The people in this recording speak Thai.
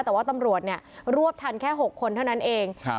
แต่ว่าตำรวจเนี่ยรวบทันแค่๖คนเท่านั้นเอง